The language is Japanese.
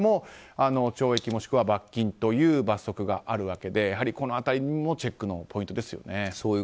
懲役もしくは罰金があるわけでこの辺りもチェックのポイントですよね。